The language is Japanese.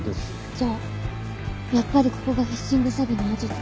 じゃあやっぱりここがフィッシング詐欺のアジト。